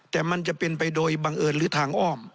แต่มันจะเป็นไปโดยบังเอิญหรือทางอ้อม